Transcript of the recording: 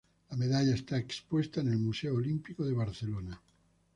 La medalla está expuesta en el Museo Olímpico de Barcelona.